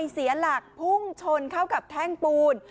เสียหลักพุ่งชนเข้ากับแท่งปูน